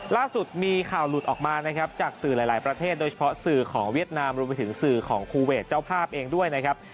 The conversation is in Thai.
ล่าสุดมีข่าวหลุดออกมานะครับจากสื่อหลายประเทศโดยเฉพาะสื่อของเวียดนามรวมไปถึงสื่อของคูเวทเจ้าภาพเองด้วยนะครับ